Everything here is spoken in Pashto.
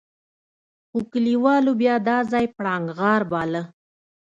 خو کليوالو بيا دا ځای پړانګ غار باله.